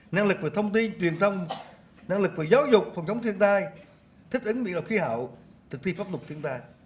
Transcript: năng lực về thông tin truyền thông năng lực và giáo dục phòng chống thiên tai thích ứng biến đổi khí hậu thực thi pháp luật thiên tai